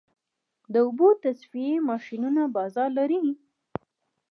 د اوبو تصفیې ماشینونه بازار لري؟